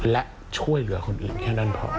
และช่วยเหลือคนอื่นแค่นั้นพอ